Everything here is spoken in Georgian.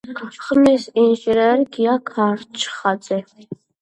ხმის ინჟინერი: გია ქარჩხაძე.